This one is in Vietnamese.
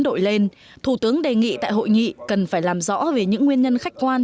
đội lên thủ tướng đề nghị tại hội nghị cần phải làm rõ về những nguyên nhân khách quan